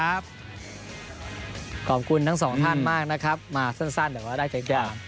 ครับขอบคุณทั้งสองท่านมากนะครับมาสั้นสั้นเดี๋ยวว่าได้เสร็จแล้ว